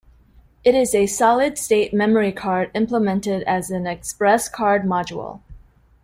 It is a solid-state memory card implemented as an ExpressCard module.